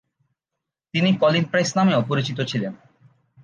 তিনি "Colin Price" নামেও পরিচিত ছিলেন।